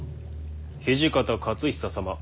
土方雄久様